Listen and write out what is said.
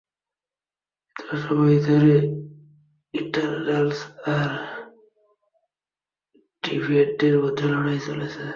এতটা সময় ধরে ইটারনালস আর ডিভিয়েন্টদের মধ্যে লড়াই চলেছে।